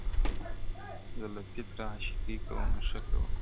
• زه له فطرته عاشقي کوومه ښه کوومه.